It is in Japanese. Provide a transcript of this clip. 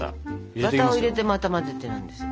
バターを入れてまた混ぜてなんですよ。